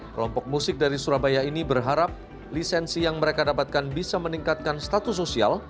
kelompok musik dari surabaya ini berharap lisensi yang mereka dapatkan bisa meningkatkan status sosial